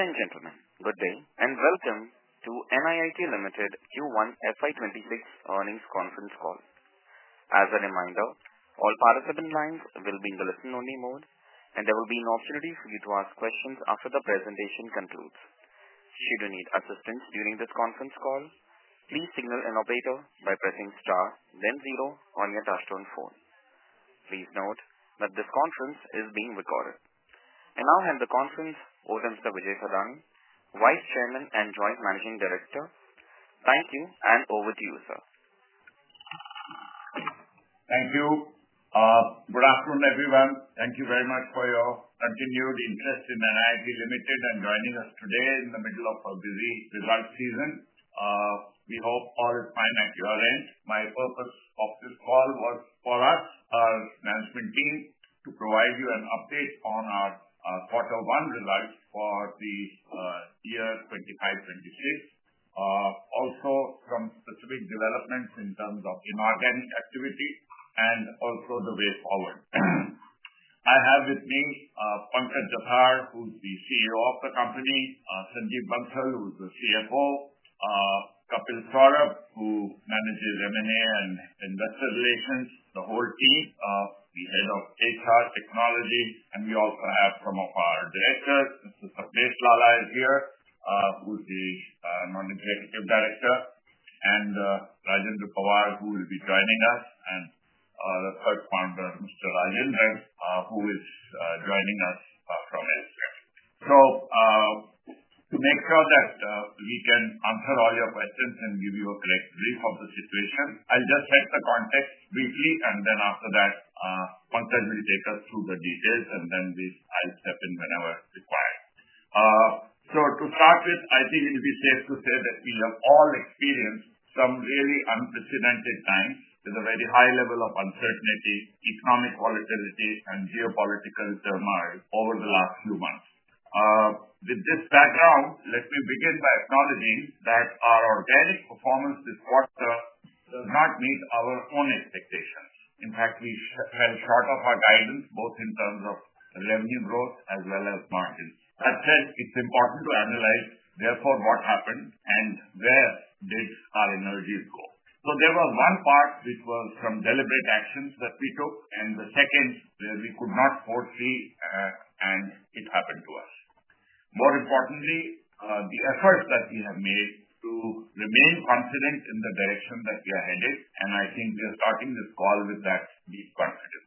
Ladies and gentlemen, good day and welcome to NIIT Limited Q1 FY 2026 Digital Earnings Conference Call. As a reminder, all participant lines will be in the listen-only mode, and there will be an opportunity for you to ask questions after the presentation concludes. Should you need assistance during this conference call, please signal an operator by pressing star, then zero on your touch-tone phone. Please note that this conference is being recorded. On our hands, the conference opens to Vijay Thadani, Vice Chairman and Joint Managing Director. Thank you and over to you, sir. Thank you. Good afternoon, everyone. Thank you very much for your continued interest in NIIT Limited and joining us today in the middle of a busy results season. We hope all fine at your end. My purpose of this call was for us, our management team, to provide you an update on our quarter one results for the years 2025, 2026. Also from specific developments in terms of inorganic activity and also the way forward. I have with me Pankaj Jathar, who's the CEO of the company, Sanjeev Bansal, who's the CFO, Kapil Saurabh, who manages M&A and Investor Relations, the whole team, the Head of HR Technology, and we also have some of our Directors. Sapnesh Lalla is here, who's the Non-Executive Director, and Rajendra Pawar, who will be joining us, and the third founder, Mr. Rajendran, who is joining us from Asia. To make sure that we can answer all your questions and give you a correct brief of the situation, I'll just set the context briefly, and then after that, Pankaj will take us through the details, and then I'll step in whenever required. To start with, I think it would be safe to say that we have all experienced some really unprecedented times with a very high level of uncertainty, economic volatility, and geopolitical turmoil over the last few months. With this background, let me begin by acknowledging that our organic performance this quarter does not meet our own expectations. In fact, we fell short of our guidance both in terms of revenue growth as well as margins. That said, it's important to analyze, therefore, what happened and where did our analysis go? There was one part which was from deliberate actions that we took, and the second, we could not foresee, and it happened to us. More importantly, the efforts that we have made to remain confident in the direction that we are headed in, and I think we are starting this call with that, these questions.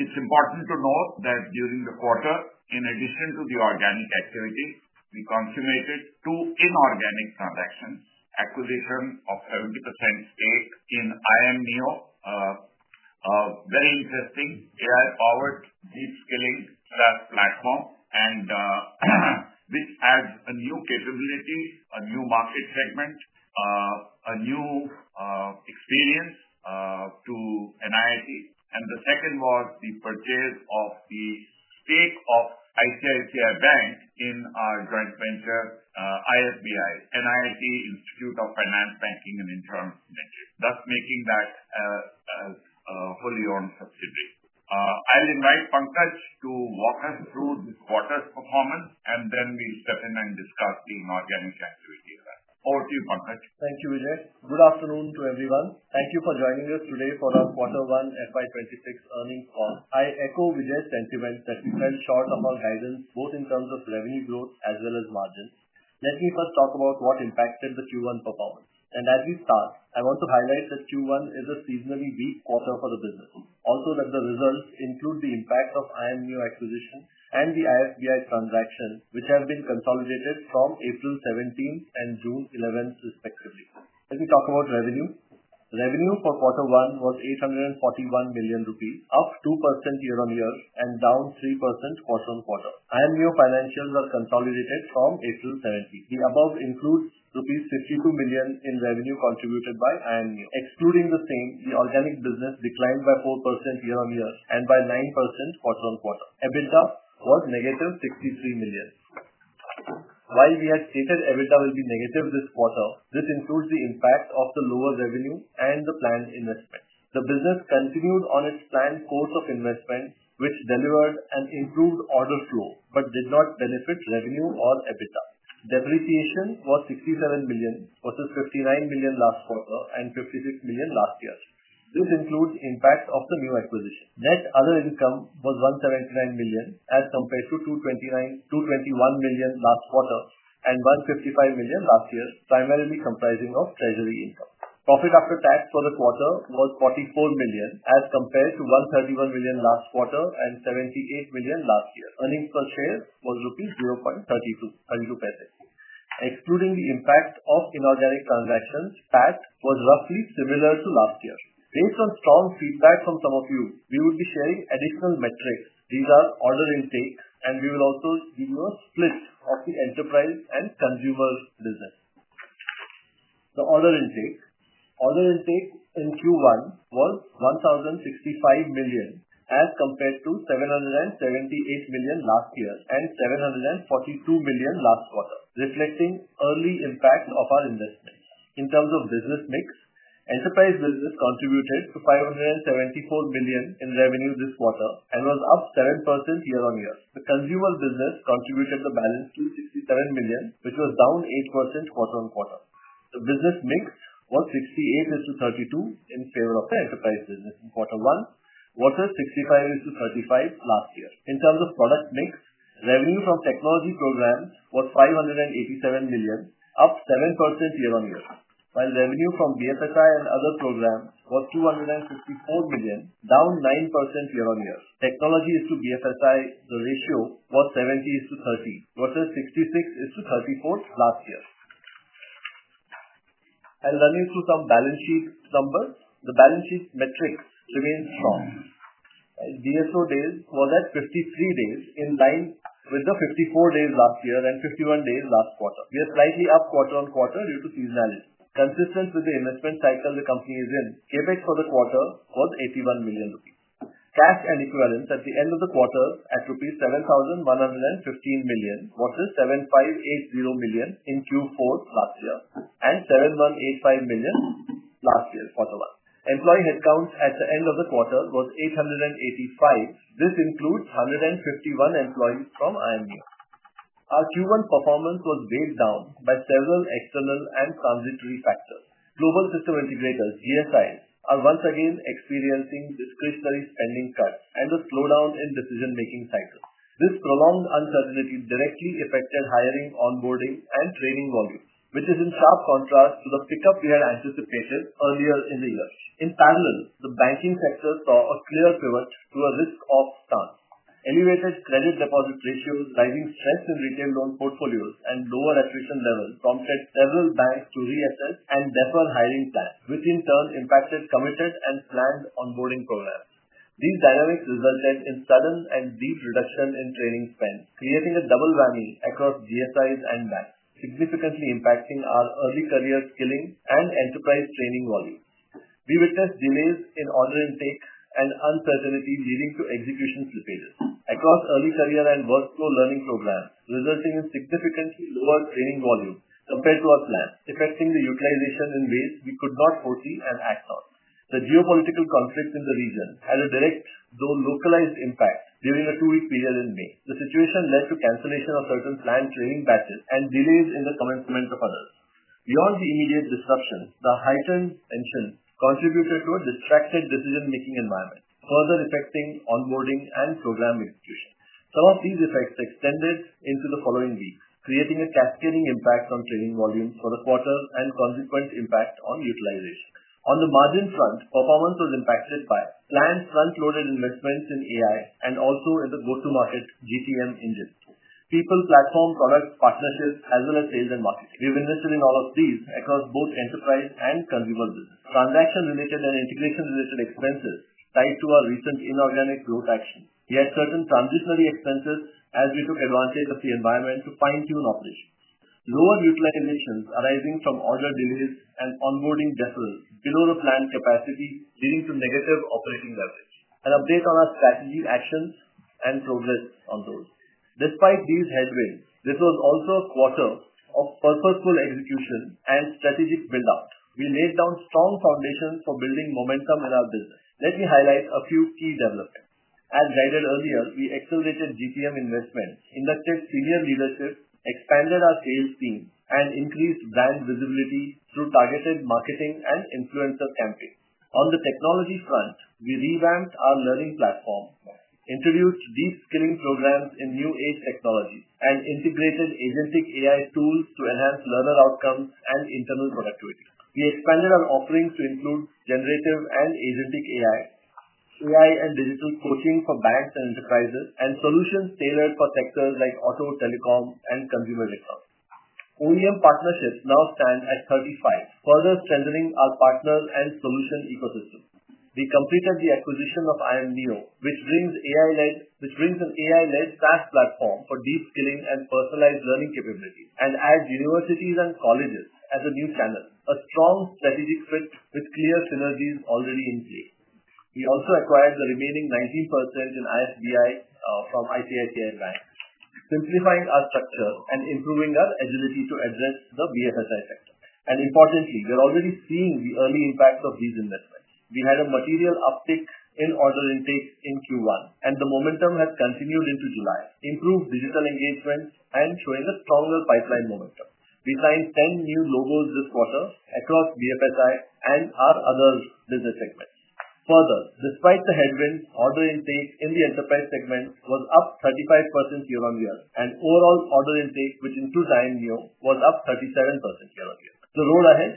It's important to note that during the quarter, in addition to the organic activity, we consummated two inorganic transactions, acquisition of 70% stake in iamneo. Very interesting AI powered. They are our deep skilling SaaS platform, which adds a new capability, a new market segment, a new experience, to NIIT. The second was the purchase of the stake of ICICI Bank in our joint venture, NIIT Institute of Finance Banking and Insurance Limited, thus making that a wholly owned subsidiary. I'll invite Pankaj to walk us through the quarter's performance, and then we'll step in and discuss the more organic activity around. Over to you, Pankaj. Thank you, Vijay. Good afternoon to everyone. Thank you for joining us today for our Quarter One FY 2026 Earnings Call. I echo Vijay's sentiment that we fell short of our guidance both in terms of revenue growth as well as margins. Let me first talk about what impacted the Q1 performance. As we start, I want to highlight that Q1 is a seasonally brief quarter for the business. Also, the results include the impact of iamneo acquisition and the IFBI transactions, which have been consolidated from April 17 and June 11, respectively. Let me talk about revenue. Revenue for quarter one was 841 million rupees, up 2% year-on-year, and down 3% quarter-on-quarter. iamneo financials are consolidated from April 17. The above includes rupees 52 million in revenue contributed by iamneo. Excluding the same, the organic business declined by 4% year-on-year and by 9% quarter-on- quarter. EBITDA was negative 63 million. While we had stated EBITDA will be negative this quarter, this includes the impact of the lower revenue and the planned investment. The business continued on its planned course of investment, which delivered an improved order flow but did not benefit revenue or EBITDA. Depreciation was 67 million, versus 59 million last quarter and 56 million last year. This includes the impacts of the new acquisition. Net other income was 179 million as compared to 221 million last quarter and 155 million last year, primarily comprising of treasury income. Profit after tax for the quarter was 44 million as compared to 131 million last quarter and 78 million last year. Earnings per share was rupees 0.32 per unit asset. Excluding the impacts of inorganic transactions, tax was roughly similar to last year. Based on strong feedback from some of you, we will be sharing additional metrics. These are order intake, and we will also give you a split of the enterprise and consumer business. The order intake in Q1 was 1,065 million as compared to 778 million last year and 742 million last quarter, reflecting early impact of our investment. In terms of business mix, enterprise business contributed to 574 million in revenue this quarter and was up 7% year-on-year. The consumer business contributed the balance 267 million, which was down 8% quarter-on-quarter. The business mix was 68%- 32% in favor of the enterprise business in quarter one, versus 65%-35% last year. In terms of product mix, revenue from technology programs was 587 million, up 7% year-on- year, while revenue from BFSI and other programs was 254 million, down 9% year-on-year. The technology to BFSI ratio was 70-30, versus 66-34 last year. Running through some balance sheet numbers, the balance sheet metrics remain strong. DSO days were at 53 days, in line with the 54 days last year and 51 days last quarter. We are slightly up quarter-on-quarter due to seasonal, consistent with the investment cycle the company is in. CapEx for the quarter was 81 million rupees. Cash and equivalents at the end of the quarter were at rupees 7,115 million, versus 7,580 million in Q4 last year and 7,185 million last year's quarter one. Employee headcount at the end of the quarter was 885. This includes 151 employees from iamneo. Our Q1 performance was weighed down by several external and transitory factors. Global system integrators, GSI, are once again experiencing discretionary spending churn and a slowdown in decision-making cycles. This prolonged uncertainty directly affected hiring, onboarding, and training volume, which is in sharp contrast to the pickup we had anticipated earlier in the year. In parallel, the banking sector saw a clear pivot to a risk-off stance. Elevated credit deposit ratios, rising strength in retail loan portfolios, and lower attrition levels prompted several banks to reassess and defer hiring plans, which in turn impacted committed and planned onboarding programs. These dynamics resulted in sudden and deep reduction in training spend, creating a double whammy across GSIs and MACs, significantly impacting our early career skilling and enterprise training volume. We witnessed delays in order intake and uncertainty leading to execution slippages across early career and workflow learning programs, resulting in significantly lower training volume compared to our plans, affecting the utilization in ways we could not foresee and act on. The geopolitical conflict in the region had a direct, though localized, impact during a two-week period in May. The situation led to cancellation of certain planned training batches and delays in the commencement of others. Beyond the immediate disruption, the heightened tension contributed to a distracted decision-making environment, further affecting onboarding and program execution. Some of these effects extended into the following weeks, creating a cascading impact on training volumes for the quarter and consequent impact on utilization. On the margin front, performance was impacted by planned front-loaded investments in AI and also in the go-to-market GTM engine. People platform product partnerships have not attained their market. We have invested in all of these across both enterprise and consumer business. Transaction-related and integration-related expenses tied to our recent inorganic growth actions. Yet certain transitionary expenses as we took advantage of the environment to fine-tune operations. Lowered reflection addictions arising from order delays and onboarding vessels below the planned capacity leading to negative operating leverage. An update on our strategic actions and progress on those. Despite these headwinds, this was also a quarter of purposeful execution and strategic build-out. We laid down strong foundations for building momentum in our business. Let me highlight a few key developments. As noted earlier, we accelerated GTM investment, conducted senior leadership, expanded our sales team, and increased brand visibility through targeted marketing and influencer campaigns. On the technology front, we revamped our learning platform, introduced deep skilling programs in new age technologies, and integrated agentic AI tools to enhance learner outcomes and internal productivity. We expanded our offerings to include generative and agentic AI, AI and digital coaching for banks and enterprises, and solutions tailored for sectors like Auto, Telecom, and Consumer Electronics. OEM partnerships now stand at 35, further strengthening our partner and solution ecosystem. We completed the acquisition of iamneo, which brings an AI-led SaaS platform for deep skilling and personalized learning capabilities, and adds universities and colleges as a new channel. A strong strategic fit with clear synergies already in place. We also acquired the remaining 19% in IFBI from ICICI Bank, simplifying our structure and improving our agility to address the BFSI sector. Importantly, we are already seeing the early impact of these investments. We had a material uptick in order intakes in Q1, and the momentum has continued into July, improved digital engagement and showing a stronger pipeline momentum. We signed 10 new logos this quarter across BFSI and our other business segments. Further, despite the headwind, order intake in the enterprise segment was up 35% year-on-year, and overall order intake, which includes iamneo, was up 37% year-on-year. The road ahead,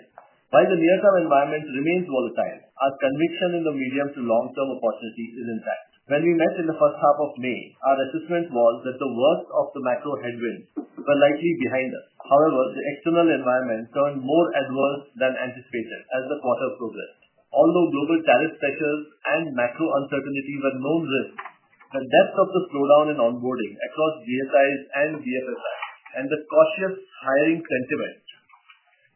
while the near-term environment remains volatile, our conviction in the medium to long-term opportunity is intact. When we met in the first half of May, our assessments were that the worst of the macro headwinds were likely behind us. However, the external environment turned more adverse than anticipated as the quarter progressed. Although global tariff pressures and macro uncertainty were known risks, the depth of the slowdown in onboarding across GSIs and BFSIs and the cautious hiring sentiment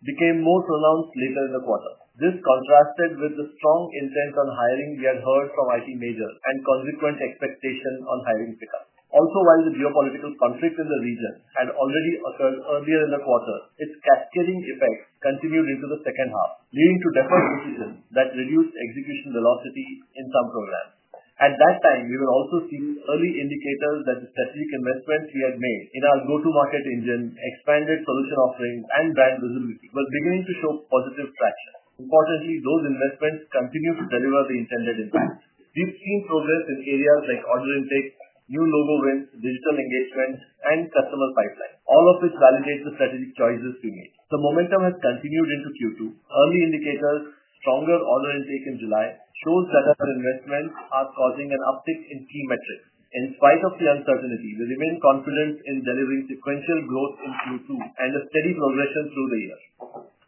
became more pronounced later in the quarter. This contrasted with the strong intent on hiring we had heard from IT major and consequent expectation on hiring pickup. Also, while the geopolitical conflicts in the region had already occurred earlier in the quarter, its cascading effects continued into the second half, leading to deferred revisions that reduced execution velocity in some programs. At that time, we were also seeing early indicators that the strategic investments we had made in our go-to-market engine, expanded solution offerings, and brand visibility were beginning to show positive traction. Importantly, those investments continue to deliver the intended impact. We've seen progress in areas like order intake, new logo wins, digital engagement, and customer pipeline. All of this validates the strategic choices we made. The momentum has continued into Q2. Early indicators, stronger order intake in July, shows that our investments are causing an uptick in key metrics. In spite of the uncertainty, we remain confident in delivering sequential growth in Q2 and a steady progression through the year.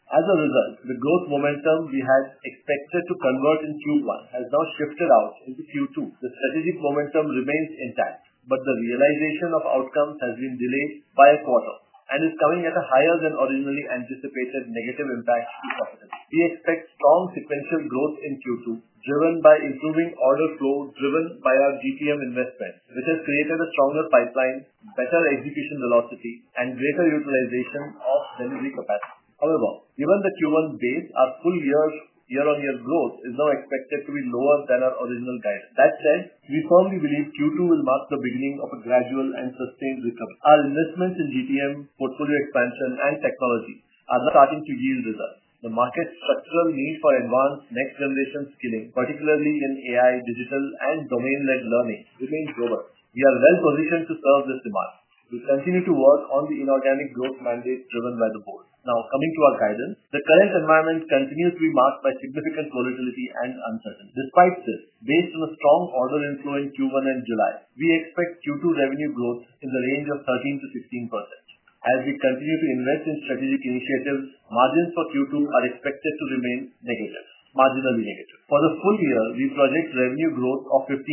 As a result, the growth momentum we had expected to convert in Q1 has now shifted out into Q2. The strategic momentum remains intact, but the realization of outcomes has been delayed by a quarter and is coming at a higher than originally anticipated negative impact this quarter. We expect strong sequential growth in Q2, driven by improving order flow driven by our GTM investment, which has created a stronger pipeline, better execution velocity, and greater utilization of delivery capacity. However, given the Q1 dates, our full year-on-year growth is now expected to be lower than our original guidance. That said, we firmly believe Q2 will mark the beginning of a gradual and sustained recovery. Our investments in GTM, portfolio expansion, and technology are starting to yield results. The market's structural need for advanced next-generation skilling, particularly in AI, digital, and domain-led learning, remains global. We are well positioned to solve this demand. We continue to work on the inorganic growth mandates driven by the board. Now, coming to our guidance, the current environment continues to be marked by significant volatility and uncertainty. Despite this, based on a strong order inflow in Q1 and July, we expect Q2 revenue growth in the range of 13%-15%. As we continue to invest in strategic initiatives, margins for Q2 are expected to remain negative, marginally negative. For the full year, we project revenue growth of 15%-20%,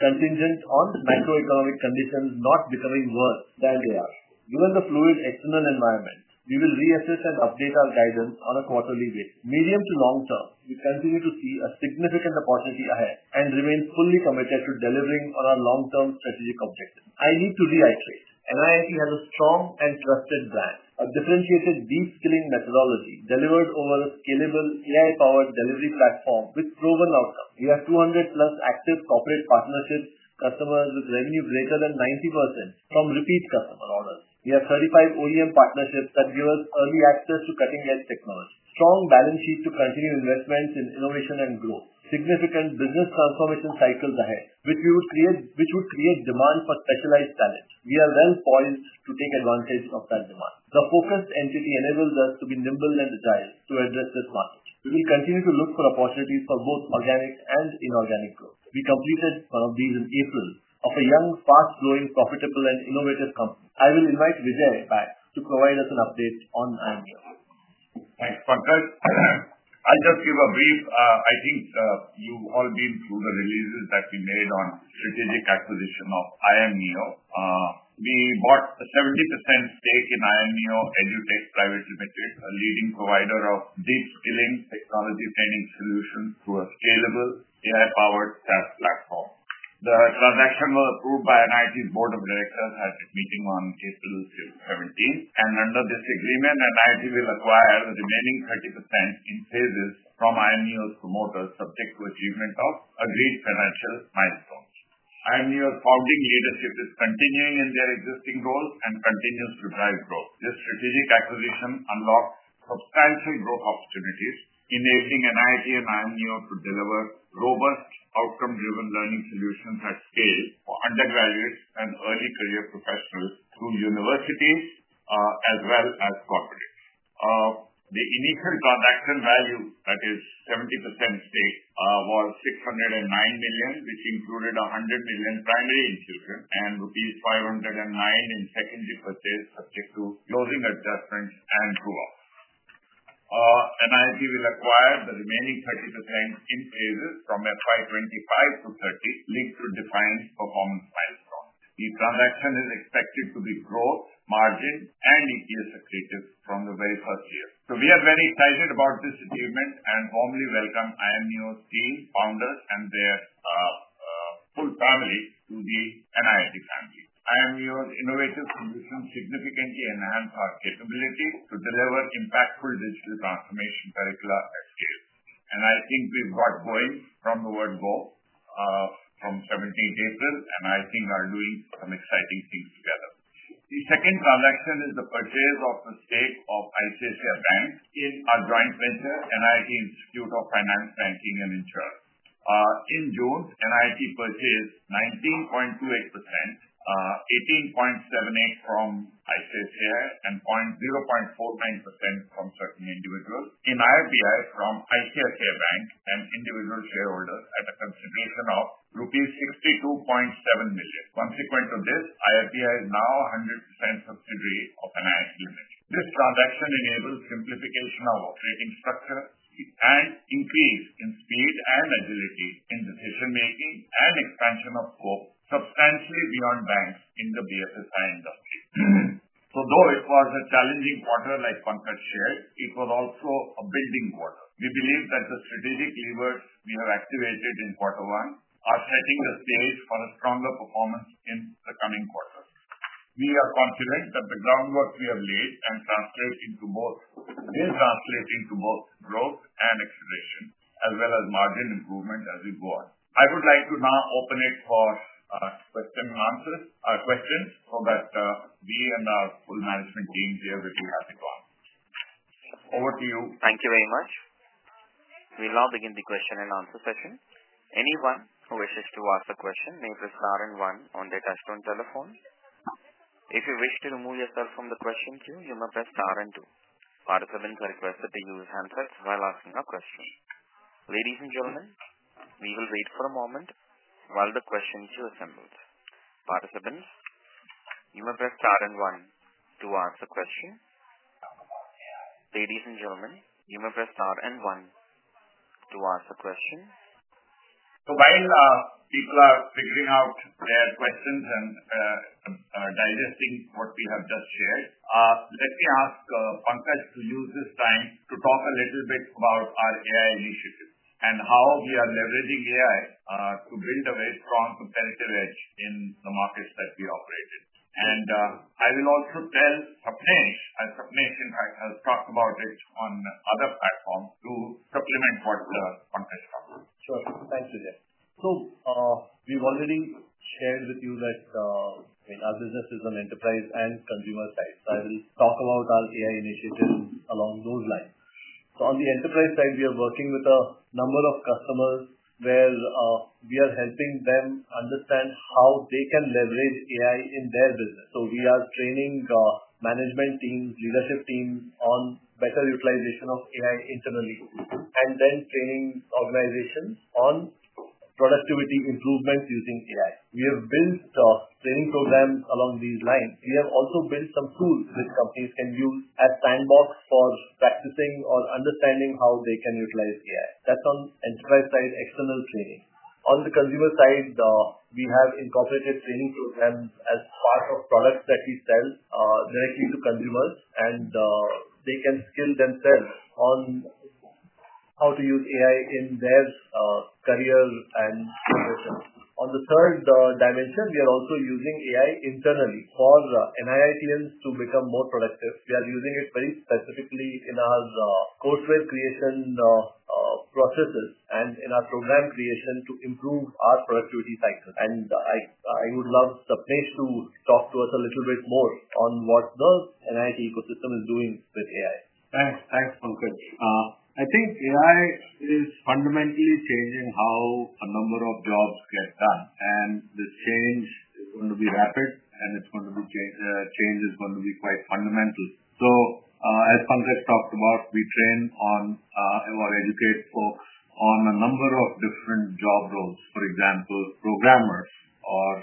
contingent on macroeconomic conditions not becoming worse than they are. Given the fluid external environment, we will reassess and update our guidance on a quarterly basis. Medium to long term, we continue to see a significant opportunity ahead and remain fully committed to delivering on our long-term strategic objectives. I need to reiterate, NIIT has a strong and trusted brand. A differentiated deep skilling methodology delivers over a scalable AI-powered delivery platform with proven outcomes. We have 200+ active corporate partnerships, customers with revenues greater than 90% from repeat customer orders. We have 35 OEM partnerships that give us early access to cutting-edge technology. Strong balance sheets to continue investments in innovation and growth. Significant business transformation cycles ahead, which would create demand for specialized talent. We are well poised to take advantage of that demand. The focused entity enables us to be nimble and detailed to address this market. We will continue to look for opportunities for both organic and inorganic growth. We completed these in April of a young, fast-growing, profitable, and innovative company. I will invite Vijay back to provide us an update on iamneo. Thanks, Pankaj. I'll just give a brief, I think you've all been through the releases that we made on strategic acquisition of iamneo. We bought a 70% stake in iamneo EduTech Private Ltd., a leading provider of deep skilling technology training solutions to a scalable AI-powered SaaS platform. The transaction was approved by NIIT's Board of Directors at a meeting on April 17, and under this agreement, NIIT will acquire the remaining 30% in phases from iamneo's promoters subject to achievement of agreed financial milestones. iamneo's founding leadership is continuing in their existing role and continues to drive growth. This strategic acquisition unlocks substantial growth opportunities, enabling NIIT and iamneo to deliver robust outcome-driven learning solutions at scale for undergraduates and early career professionals through universities, as well as corporates. The initial transaction value, that is 70% stake, was 609 million, which included 100 million primary issuance and rupees 509 million in secondary purchase subject to closing adjustments and co-ops. NIIT will acquire the remaining 30% in phases from FY2025 to 2030, linked to defined performance milestones. The transaction is expected to be growth, margin, and EPS accretive from the very first year. We are very excited about this achievement and warmly welcome iamneo's team, founders, and their full family to the NIIT family. iamneo's innovative solutions significantly enhance our capability to deliver impactful digital transformation curricula at scale. I think we've got goings from the world goals, from submitting papers, and I think we are doing some exciting things together. The second transaction is the purchase of a stake of ICICI Bank in our joint venture, NIIT Institute of Finance Banking & Insurance. In June, NIIT purchased 19.28%, 18.7% from ICICI, and 0.49% from certain individuals. In IFBI from ICICI Bank and individual shareholders at a consideration of rupees 62.7 million. Consequent to this, IFBI is now a 100% subsidiary of NIIT Limited. This transaction enables simplification of operating structure and increase in speed and agility in decision-making and expansion of scope substantially beyond banks in the BFSI industry. Though it was a challenging quarter like Pankaj shared, it was also a building quarter. We believe that the strategic levers we have activated in quarter one are setting the stage for a stronger performance in the coming quarter. We are confident that the groundwork we have laid may translate into both growth and acceleration, as well as margin improvement as we go on. I would like to now open it for questions-and-answers, our questions, so that we and our full management team here with you have the time. Over to you. Thank you very much. We'll now begin the question-and-answer session. Anyone who wishes to ask a question may press star and one on their touch-tone telephone. If you wish to remove yourself from the question queue, you may press star and two. Participants are requested to use handsets while asking a question. Ladies and gentlemen, we will wait for a moment while the question queue assembles. Participants, you may press star and one to ask a question. Ladies and gentlemen, you may press star and one to ask a question. While people are figuring out their questions and are digesting what we have just shared, let me ask Pankaj to use this time to talk a little bit about our AI initiatives and how we are leveraging AI to build a very strong competitive edge in the markets that we operate in. I will also tell Sapnesh, as Sapnesh, in fact, has talked about this on other platforms, to supplement what Pankaj covered. Thanks, Vijay. We've already shared with you that our business is on the enterprise and consumer side. I'll talk about our AI initiatives along those lines. On the enterprise side, we are working with a number of customers where we are helping them understand how they can leverage AI in their business. We are training management teams and leadership teams on better utilization of AI internally, and then training organizations on productivity improvements using AI. We have built training programs along these lines. We have also built some tools which companies can use as a sandbox for practicing or understanding how they can utilize AI. That's on the enterprise side, external training. On the consumer side, we have incorporated training programs as part of products that we sell directly to consumers, and they can skill themselves on how to use AI in their career and business. On the third dimension, we are also using AI internally for NIITians to become more productive. We are using it very specifically in our code-sware creation processes and in our program creation to improve our productivity cycle. I would love Sapnesh to talk to us a little bit more on what the NIIT ecosystem is doing with AI. Thanks. Thanks, Pankaj. I think AI is fundamentally changing how a number of jobs get done, and this change is going to be rapid, and it's going to be changed, the change is going to be quite fundamental. As Pankaj talked about, we train on or educate folks on a number of different job roles. For example, programmers or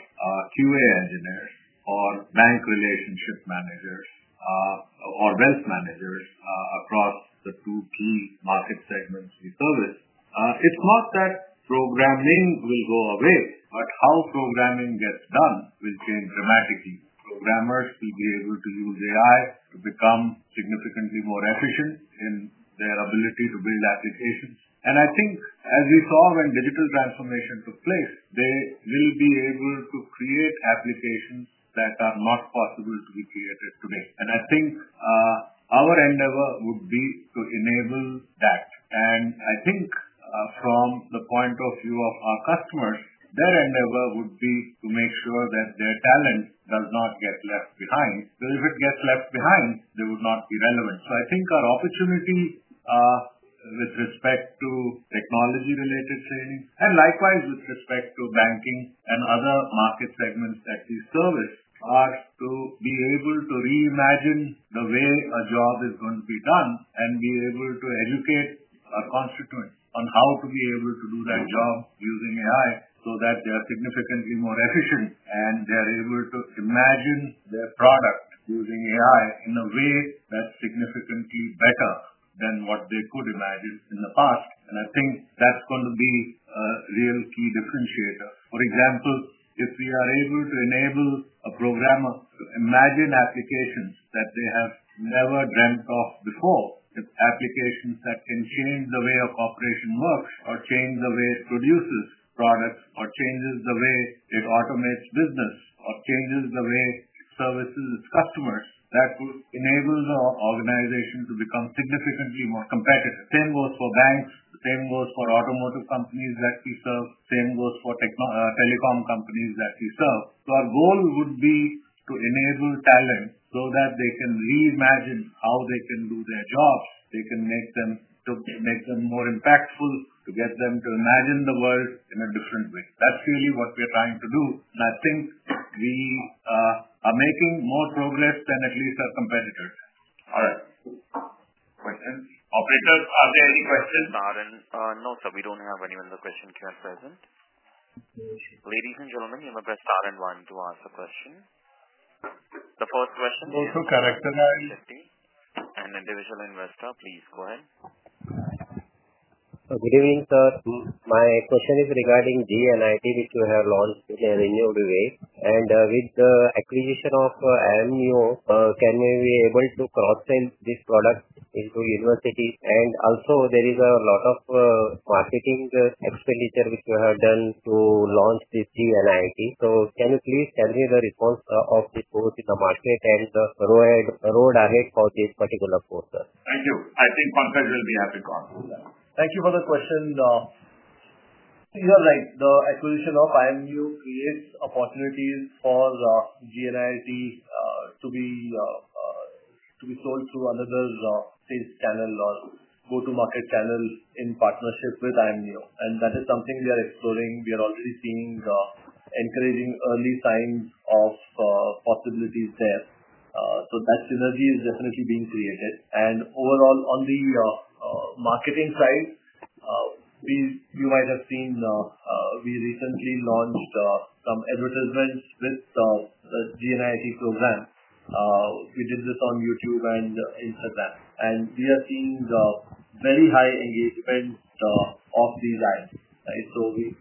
QA engineers or bank relationship managers or wealth managers across the two key market segments we service. It's not that programming will go away, but how programming gets done will change dramatically. Programmers will be able to use AI to become significantly more efficient in their ability to build applications. I think, as we saw when digital transformation took place, they will be able to create applications that are not possible to be created today. Our endeavor would be to enable that. From the point of view of our customers, their endeavor would be to make sure that their talent does not get left behind. Because if it gets left behind, they would not be relevant. I think our opportunity, with respect to technology-related training and likewise with respect to banking and other market segments that we service, is to be able to reimagine the way a job is going to be done and be able to educate our constituents on how to be able to do that job using AI so that they are significantly more efficient and they are able to imagine their product using AI in a way that's significantly better than what they could imagine in the past. I think that's going to be a real key differentiator. For example, if we are able to enable a programmer to imagine applications that they have never dreamt of before, applications that can change the way a corporation works or change the way it produces products or changes the way it automates business or changes the way it services its customers, that will enable the organization to become significantly more competitive. The same goes for banks. The same goes for automotive companies that we serve. The same goes for telecom companies that we serve. Our goal would be to enable talent so that they can reimagine how they can do their jobs. It can make them more impactful, to get them to imagine the world in a different way. That's really what we're trying to do. I think we are making more progress than at least our competitors are. Right. Operator, are there any questions? We but we don't have any other questions here at present. Ladies and gentlemen, you may press star and one to ask a question. The first question will be from [Ganesh Shetty] an Individual Investor. Please go ahead. Good evening, sir. My question is regarding gNIIT, which you have launched in a renewed way. With the acquisition of iamneo, can we be able to cross-sell this product into universities? There is a lot of marketing expenditure which you have done to launch this gNIIT. Can you please tell me the response of the quote in the market and the road ahead for this particular quarter? Thank you. I think Pankaj will be happy to answer that. Thank you for the question. You are right. The acquisition of iamneo creates opportunities for gNIIT to be sold to another sales channel or go-to-market channel in partnership with iamneo. That is something we are exploring. We are already seeing the encouraging early signs of possibilities there. That synergy is definitely being created. Overall, on the marketing side, you might have seen, we recently launched some advertisements with the gNIIT program. We did this on YouTube and Instagram, and we are seeing the very high engagement of these ads. It is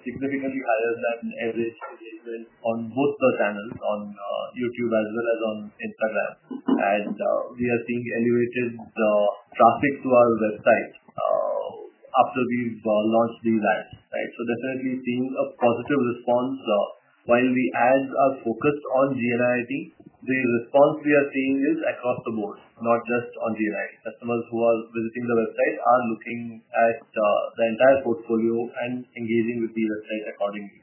significantly higher than average engagement on both the channels, on YouTube as well as on Instagram. We are seeing elevated traffic to our website after we've launched these ads, right? Definitely seeing a positive response. While the ads are focused on gNIIT, the response we are seeing is across the board, not just on gNIIT. Customers who are visiting the website are looking at the entire portfolio and engaging with the website accordingly.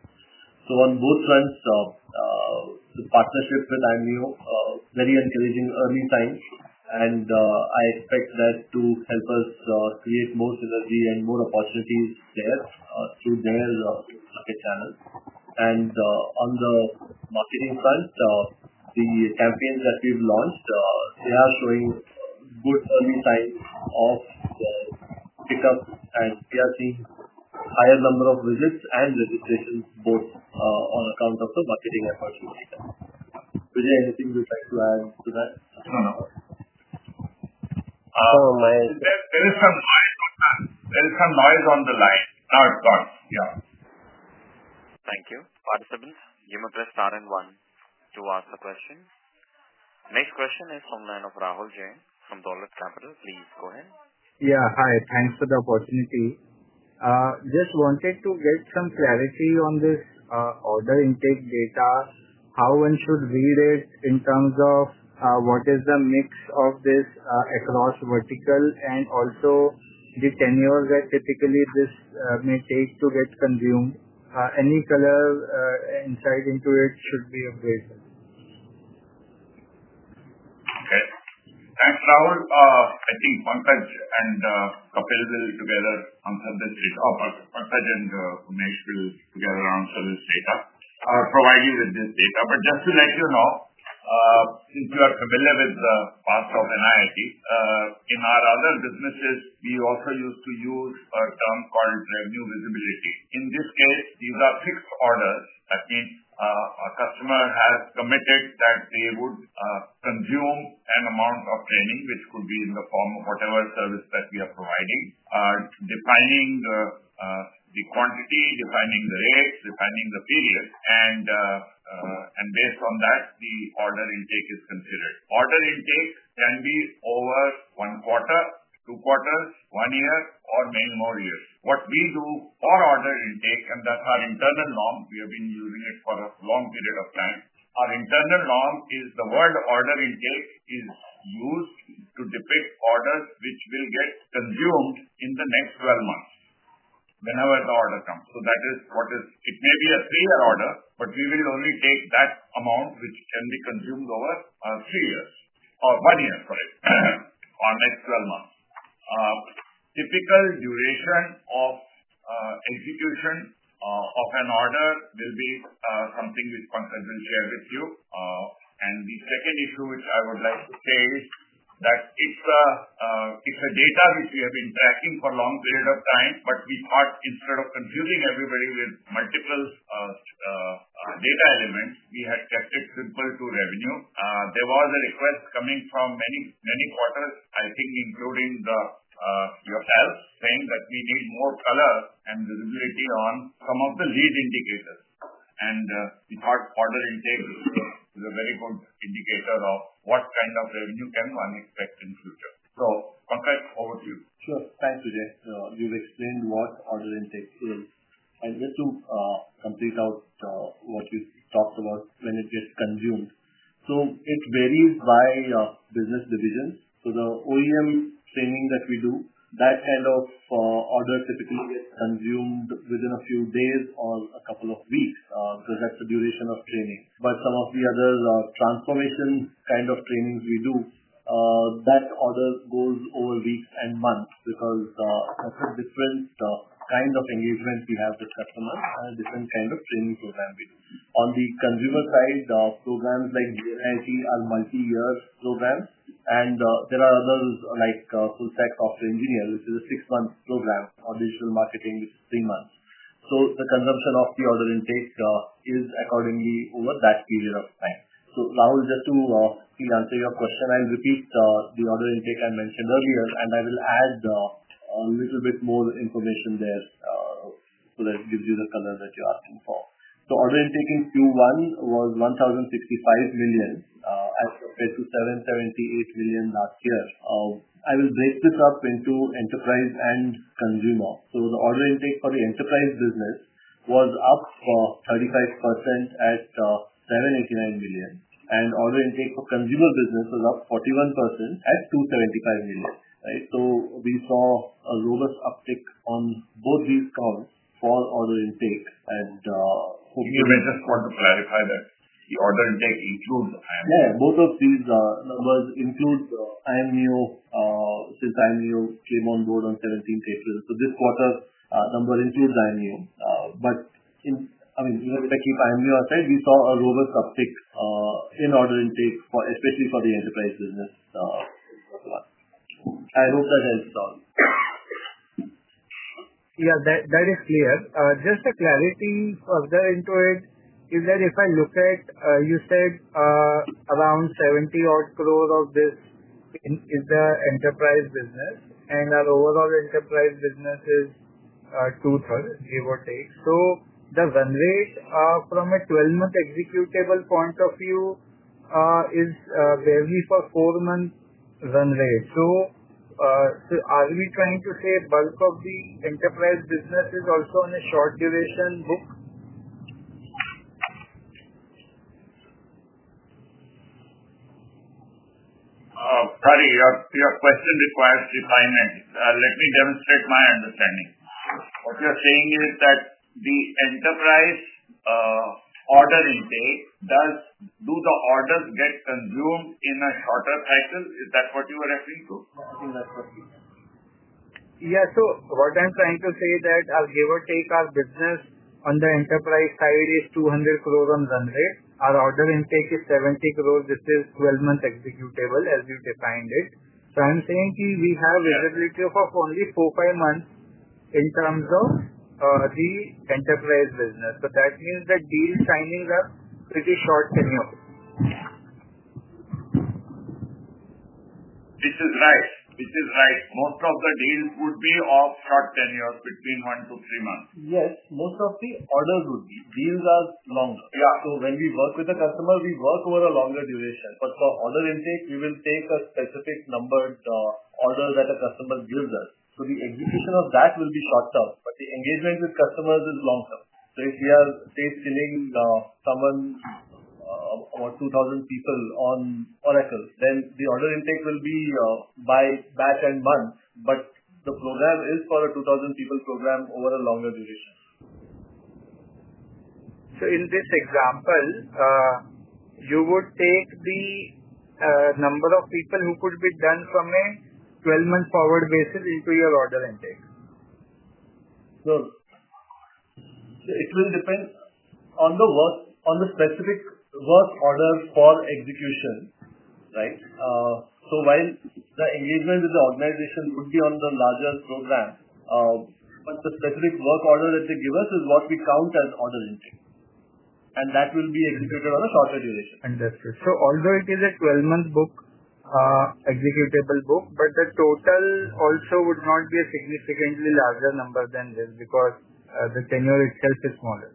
On both fronts, the partnership with iamneo, very encouraging early signs. I expect that to help us create more synergy and more opportunities there, since they are the channels. On the marketing front, the campaigns that we've launched, they are showing good early signs of pickup, and we are seeing a higher number of visits and repetitions, both on account of the marketing as well. Vijay, anything you'd like to add to that? Time out. Oh, my. There is some noise on the line. Oh, go. Yeah. Thank you. Participants, you may press star and one to ask a question. Next question is from the line of Rahul Jain from Dollar Capital. Please go ahead. Yeah. Hi. Thanks for the opportunity. I just wanted to get some clarity on this order intake data. How one should read it in terms of what is the mix of this across vertical and also the 10 years that typically this may take to get consumed? Any color, insight into it should be appreciated. Okay. Thanks, Rahul. I think Pankaj and Kapil will together answer this data. Pankaj and Sunesh will together answer this data, providing with this data. Just to let you know, if you are familiar with the part of NIIT, in our other businesses, we also used to use a term called revenue visibility. In this case, these are fixed orders. That means a customer has committed that they would consume an amount of training, which could be in the form of whatever service that we are providing, defining the quantity, defining the rates, defining the period. Based on that, the order intake is considered. Order intake can be over one quarter, two quarters, one year, or many more years. What we do for order intake, and that's our internal norm, we have been using it for a long period of time. Our internal norm is the word order intake is used to depict orders which will get consumed in the next 12 months whenever the order comes. That is what is, it may be a three-year order, but we will only take that amount which can be consumed over three years or one year, sorry, for the next 12 months. Typical duration of execution of an order will be something which Pankaj will share with you. The second issue which I would like to say is that it's the data which we have been tracking for a long period of time, but we thought instead of confusing everybody with multiple data elements, we had kept it simple to revenue. There was a request coming from many, many quarters, I think including yourself, saying that we need more color and visibility on some of the lead indicators. The part order intake is a very good indicator of what kind of revenue can one expect in the future. Pankaj, over to you. Sure. Thanks, Vijay. You've explained what order intake is, and this will complete out what we talked about when it gets consumed. It's very by business division. The OEM training that we do, that kind of order typically gets consumed within a few days or a couple of weeks because that's the duration of training. Some of the other transformation kind of trainings we do, that order goes over weeks and months because that's a different kind of engagement you have with customers and a different kind of training program we do. On the consumer side, the programs like gNIIT are multi-year programs, and there are others like Full Stack Software Engineer, which is a six-month program, or digital marketing, three months. The consumption of the order intake is accordingly over that period of time. Rahul, just to answer your question, I'll repeat the order intake I mentioned earlier, and I will add a little bit more information there, so that it gives you the color that you're looking for. Order intake in Q1 was 1,065 million, as compared to 778 million last year. I'll break this up into enterprise and consumer. The order intake for the enterprise business was up 35% at 789 million, and order intake for consumer business was up 41% at 275 million. We saw a robust uptick on both these fronts for order intake. Could you just want to clarify that the order intake includes iamneo? Yeah. Both of these numbers include iamneo, since iamneo came on board on 17th April. This quarter's number includes iamneo. Even with iamneo aside, we saw a robust uptick in order intake, especially for the enterprise business. I hope that helps, sir. Yeah, that is clear. Just to clarify further into it, if I look at, you said, around INR 70 crore of this is the enterprise business, and our overall enterprise business is two-thirds, give or take. The runway, from a 12-month executable point of view, is barely for a four-month runway. Are we trying to say a bulk of the enterprise business is also on a short duration book? Pardon, your question requires refinement. Let me demonstrate my understanding. What you're saying is that the enterprise order intake, do the orders get consumed in a shorter cycle? Is that what you were referring to? Yeah. What I'm trying to say is that, give or take, our business on the enterprise side is 200 crore on runway. Our order intake is 70 crore. This is 12-month executable as you defined it. We have a visibility of only four, five months in terms of the enterprise business. That means that deals are signing up pretty short tenure. This is right. Most of the deals would be of short tenure, between one to three months. Yes. Most of the orders would be. Deals are long. Yeah. When we work with a customer, we work over a longer duration. For order intake, we will take a specific number order that a customer gives us. The execution of that will be short term, but the engagement with customers is long term. If we are saying selling someone or 2,000 people on Oracle, then the order intake will be by back end month, but the program is for a 2,000-people program over a longer duration. In this example, you would take the number of people who could be done from a 12-month forward basis into your order intake? It will depend on the specific work order for execution, right? While the engagement with the organization would be on the larger program, the specific work order that they give us is what we count as order intake, and that will be executed on a shorter duration. Understood. Order intake is a 12-month book, executable book, but the total also would not be a significantly larger number than this because the tenure itself is smaller.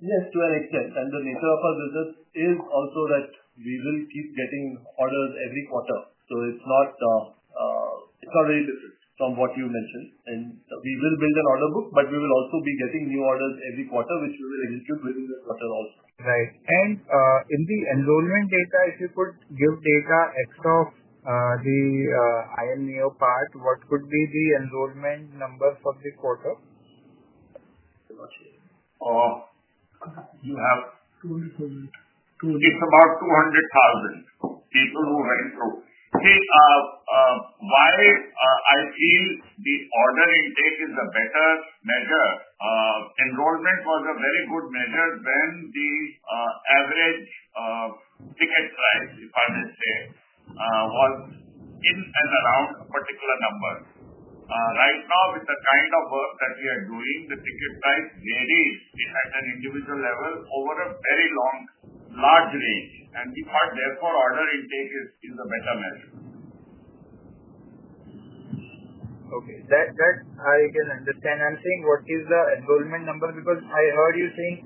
Yes, to an extent. The nature of our business is also that we will keep getting orders every quarter. It's not a business from what you mentioned. We will build an order book, but we will also be getting new orders every quarter, which we will execute within the quarter also. Right. In the enrollment data, if you could give data extra of the iamneo part, what could be the enrollment numbers of the quarter? You have to give about 200,000 people who want to know. Hey, why I feel the order intake is a better measure. Enrollment was a very good measure when the average ticket price, if I may say, was in and around a particular number. Right now, with the kind of work that we are doing, the ticket price varies at an individual level over a very long, large range. We thought, therefore, order intake is the better measure. Okay, that I can understand. I'm saying what is the enrollment number because I heard you saying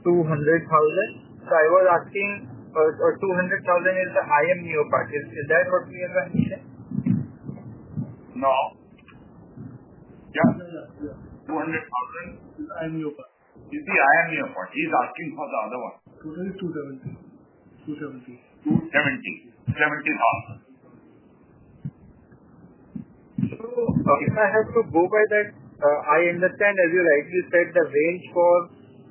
200,000. I was asking, or 200,000 is the iamneo part. Is that what you were trying to say? No, 200,000 is iamneo part. Is the iamneo part? He's asking for the other one. Total is 270. 270. 270. If I have to go by that, I understand, as you rightly said, the range for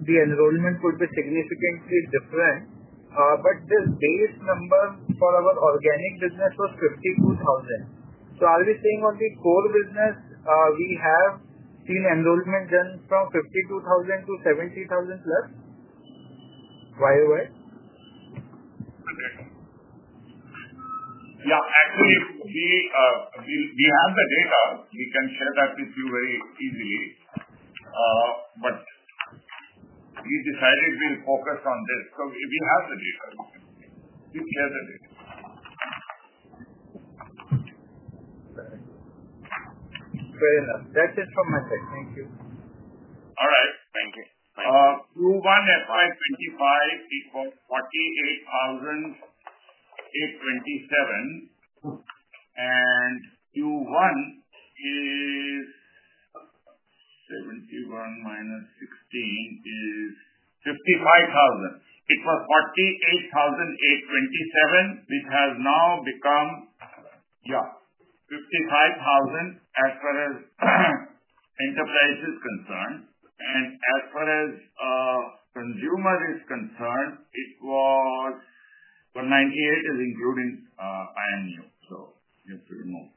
the enrollment would be significantly different. The base number for our organic business was 52,000. Are we saying on the core business, we have seen enrollment done from 52,000-70,000+? Why or why? Yeah. Actually, we have the data. We can share that with you very easily, but we decided we'll focus on this. If you have the data. Fair enough. That's it from my side. Thank you. All right. Thank you. Q1 FY 2025 equals 48,827, and Q1 is 71,000 minus 16,000, is 55,000. It was 48,827, which has now become 55,000 as far as enterprise is concerned. As far as consumer is concerned, it was, but 98 is including iamneo. You have to remove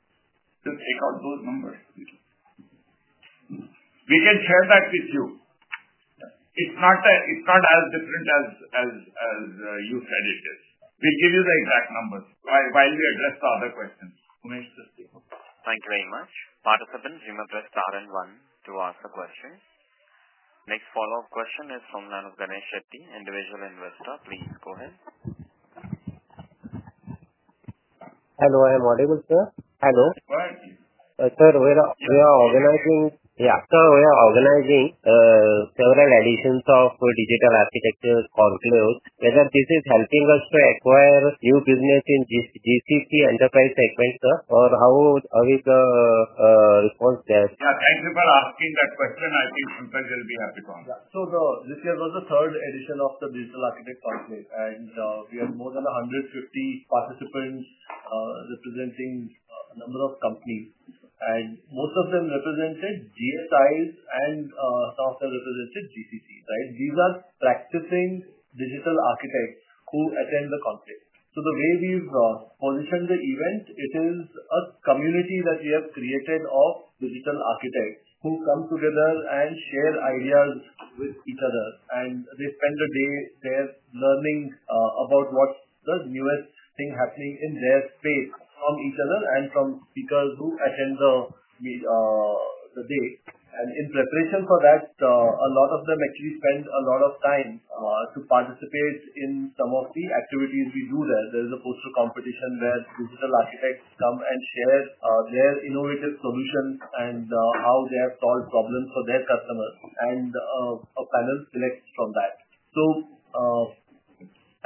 just because those numbers. We can share that with you. It's not as different as you said it is. We'll give you the exact numbers while we address the other questions. Thank you very much. Participants, you may press star and one to ask a question. Next follow-up question is from the line of Ganesh Setty, Individual nvestor. Please go ahead. Hello. Am I audible, sir? Hello.Sir, we are organizing several editions of Digital Architecture or Flows. Whether this is helping us to acquire a few businesses in GCC enterprise segment, sir, or how are we going to respond to that? Yeah, thank you for asking that question. I think Pankaj will be happy to answer. This year was the third edition of the Digital Architect Conclave, and we have more than 150 participants representing a number of companies. Most of them represented GSIs and some of them represented GCC. These are practicing digital architects who attend the conference. The way we've positioned the events, it is a community that we have created of digital architects who come together and share ideas with each other. They spend the day there learning about what's the newest thing happening in their space from each other and from speakers who attend the day. In preparation for that, a lot of them actually spend a lot of time to participate in some of the activities we do there. There is a poster competition where digital architects come and share their innovative solutions and how they have solved problems for their customers. A panel selects from that.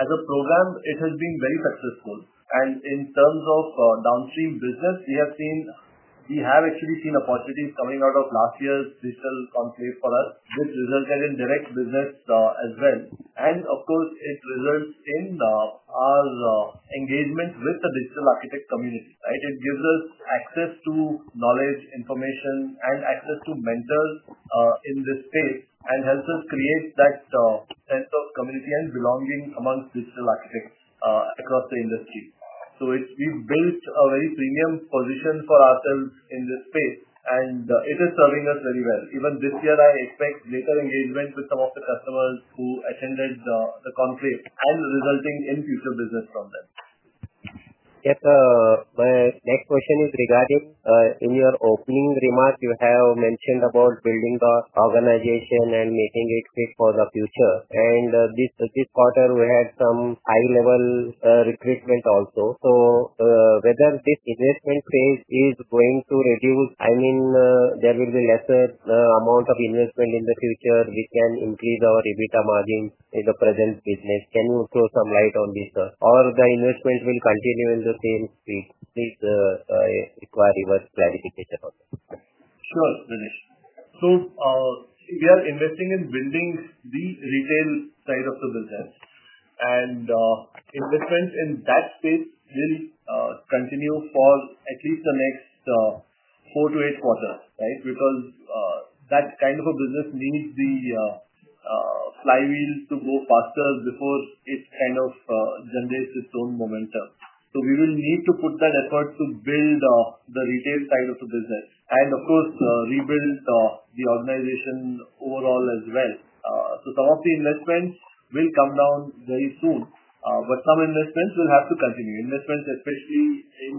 As a program, it has been very successful. In terms of downstream business, we have seen, we have actually seen opportunities coming out of last year's digital conference for us, which resulted in direct business as well. It results in our engagement with the digital architect community. It gives us access to knowledge, information, and access to mentors in this space and helps us create that sense of community and belonging among digital architects across the industry. We've based a very premium position for ourselves in this space, and it is serving us very well. Even this year, I expect greater engagement with some of the customers who attended the conference, resulting in future business from them. Yes, sir. My next question is regarding, in your opening remarks, you have mentioned about building the organization and making it fit for the future. This quarter, we had some high-level recruitment also. Whether this investment phase is going to reduce, I mean, there will be a lesser amount of investment in the future. We can increase our EBITDA margins in the present business. Can you throw some light on this, sir? The investment will continue in the same space? Please, I require reverse clarification of this. No, it is. We are investing in building the retail side of the business, and investments in that space will continue for at least the next four to eight quarters, right? That kind of a business needs the flywheel to go faster before it generates its own momentum. We will need to put that effort to build the retail side of the business and, of course, rebuild the organization overall as well. Some of the investments will come down very soon, but some investments will have to continue. Investments, especially in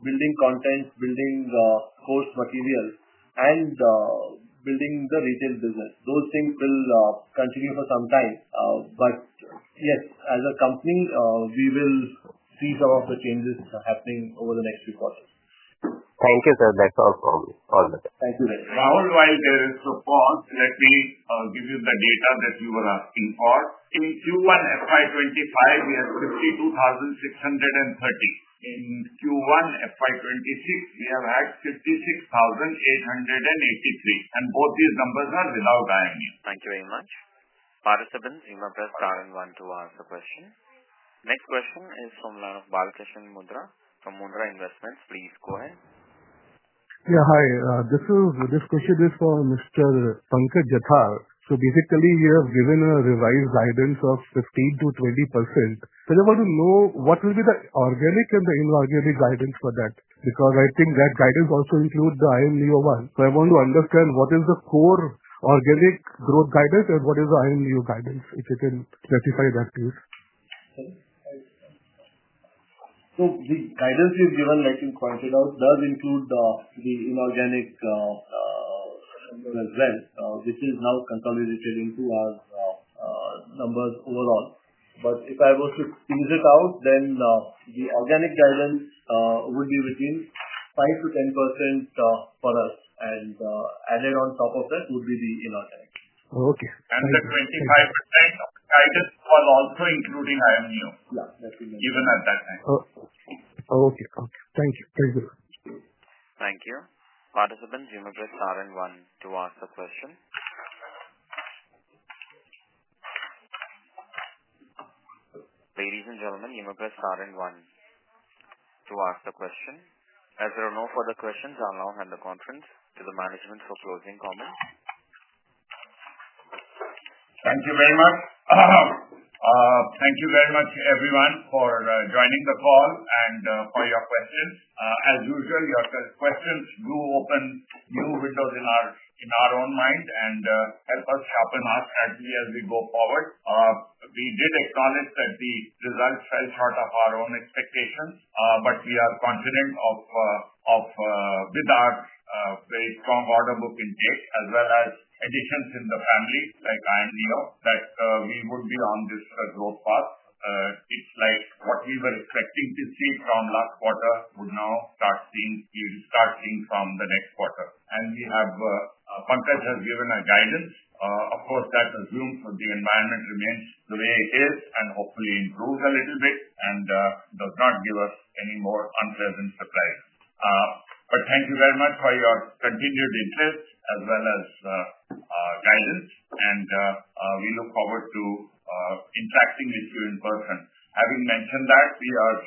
building content, building course materials, and building the retail business, will continue for some time. Yes, as a company, we will see some of the changes happening over the next few quarters. Thank you, sir. That's all for all the time. Thank you. Rahul, while there is support, let me give you the data that you were asking for. In Q1 FY 2025, we had 52,630. In Q1 FY 2026, we have had 56,883. Both these numbers are without iamneo. Thank you very much. Participants, you may press star and one to ask a question. Next question is from the line of Balkarishna Mundra from Mundra Investments. Please go ahead. Yeah. Hi. This question is for Mr. Pankaj Jathar. We have given a revised guidance of 15 to 20%. I want to know what will be the organic and the inorganic guidance for that because I think that guidance also includes the iamneo one. I want to understand what is the core organic growth guidance and what is the iamneo guidance, if you can specify that to us. The guidance you've given, I think, pointed out does include the inorganic as well. This is how Pankaj is referring to our numbers overall. If I were to squeeze it out, then the organic guidance would be between 5%-10% per month, and added on top of that would be the inorganic. Okay. The 25% of guidance would also include iamneo. Yeah, that's the given. Given at that time. Oh, okay. Thank you. Thank you. Thank you. Participants, you may press star and one to ask a question. Ladies and gentlemen, you may press star and one to ask a question. As there are no further questions, I'll now hand the conference to the management for closing comments. Thank you very much. Thank you very much, everyone, for joining the call and for your questions. As usual, your questions open new windows in our own mind and help us sharpen our strategy as we go forward. We did acknowledge that the results fell short of our own expectations, but we are confident, with our very strong order book intake as well as additions in the families like iamneo, that we would be on this growth path. It's like what we were expecting to see from last quarter would now start seeing, we start seeing from the next quarter. Pankaj has given a guidance. Of course, that assumes that the environment remains the way it is and hopefully improves a little bit and does not give us any more unpleasant surprises. Thank you very much for your continued interest as well as guidance. We look forward to interacting with you in person. Having mentioned that, we are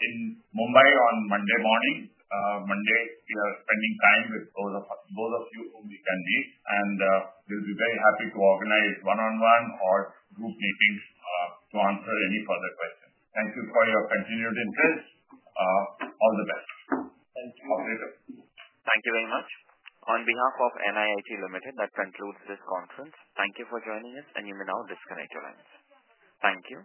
in Mumbai on Monday morning. Monday, we are spending time with both of you in the country. We'll be very happy to organize one-on-one or group meetings to answer any further questions. Thank you for your continued interest. All the best. Thank you. Thank you very much. On behalf of NIIT Limited, that concludes this conference. Thank you for joining us, and you may now disconnect your lines. Thank you.